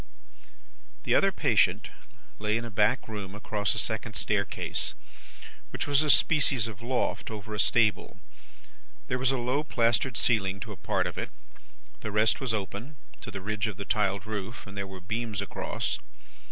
"The other patient lay in a back room across a second staircase, which was a species of loft over a stable. There was a low plastered ceiling to a part of it; the rest was open, to the ridge of the tiled roof, and there were beams across.